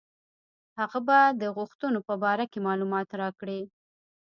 هغه به د غوښتنو په باره کې معلومات راکړي.